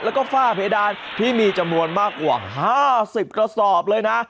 แล้วก็ฝ้าเพดานที่มีจำนวนมากกว่า๕๐กระสอบเลยนะ